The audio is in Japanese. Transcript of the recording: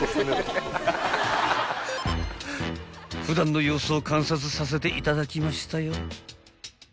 ［普段の様子を観察させていただきましたよ］